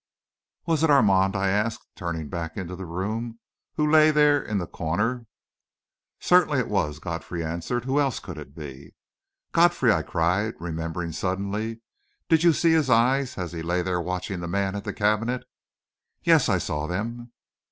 "Was it Armand," I asked, turning back into the room, "who lay there in the corner?" "Certainly it was," Godfrey answered. "Who else could it be?" "Godfrey!" I cried, remembering suddenly. "Did you see his eyes as he lay there watching the man at the cabinet?" "Yes; I saw them."